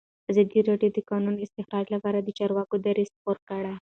ازادي راډیو د د کانونو استخراج لپاره د چارواکو دریځ خپور کړی.